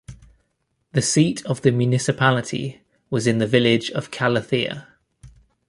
The seat of the municipality was in the village of Kallithea.